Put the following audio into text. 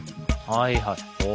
はいはいお。